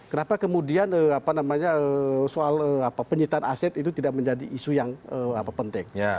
kenapa kemudian soal penyitaan aset itu tidak menjadi isu yang penting